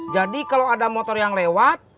jadi kalo ada motor yang lewat